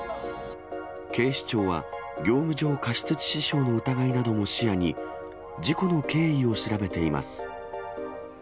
警視庁は業務上過失致死傷の疑いなども視野に、事故の経緯を調べています。